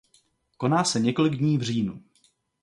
Koná se několik dní v říjnu.